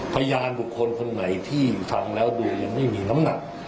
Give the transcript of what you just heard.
พยานบุคคลคนไหนที่ทำแล้วโดยไม่มีน้ำหนัก